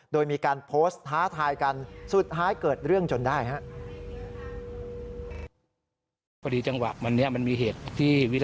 โดยมีการโพสต์ท้าทายกันสุดท้ายเกิดเรื่องจนได้ครับ